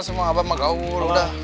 semua abah magaur udah